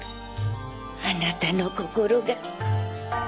あなたの心が。